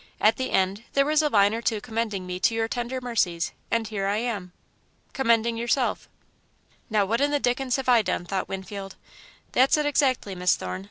At the end there was a line or two commending me to your tender mercies, and here I am." "Commending yourself." "Now what in the dickens have I done?" thought Winfield. "That's it exactly, Miss Thorne.